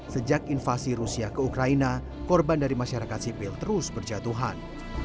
sejak invasi rusia ke ukraina korban dari masyarakat sipil terus berjatuhan